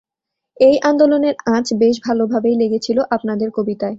এই আন্দোলনের আঁচ বেশ ভালোভাবেই লেগেছিল আপনাদের কবিতায়।